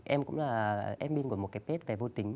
em cũng là admin của một cái page về vô tính